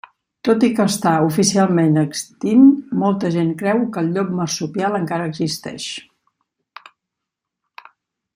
Tot i que està oficialment extint, molta gent creu que el llop marsupial encara existeix.